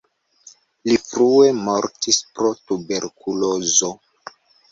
Li frue mortis pro tuberkulozo.